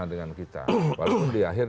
dengan kita walaupun di akhir